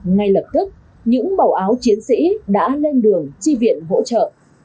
ngay lập tức những màu áo chiến sĩ đã lên đường chi viện hỗ trợ